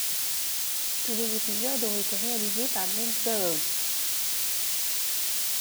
Tous les épisodes ont été réalisés par James Burrows.